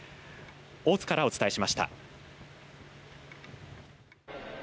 大津からお伝えしました。